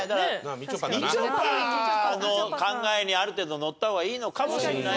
みちょぱの考えにある程度乗った方がいいのかもしれないよ。